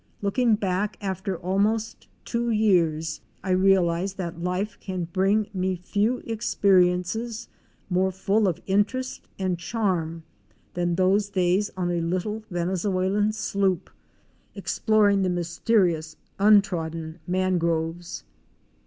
Looking back after almost two years I realize that life can bring me Fic. 49. LoapInc PircH ON THE HAND Cars. few experiences more full of interest and charm than those days on a little Venezuelan sloop exploring the mysterious untrodden mangroves!